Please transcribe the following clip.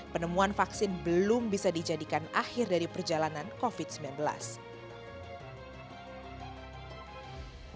penemuan vaksin belum bisa dijadikan akhir dari perjalanan covid sembilan belas